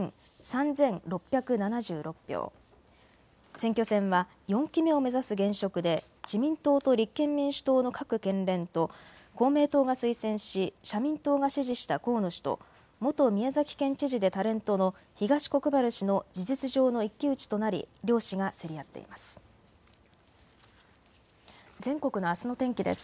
選挙戦は４期目を目指す現職で自民党と立憲民主党の各県連と公明党が推薦し社民党が支持した河野氏と元宮崎県知事でタレントの東国原氏の事実上の一騎打ちとなり両氏が競り合っています。